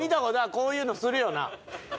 こういうのするよな。